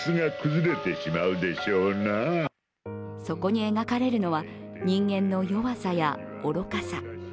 そこに描かれるのは人間の弱さや愚かさ。